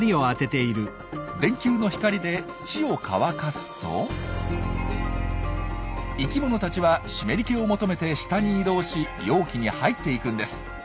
電球の光で土を乾かすと生きものたちは湿り気を求めて下に移動し容器に入っていくんです。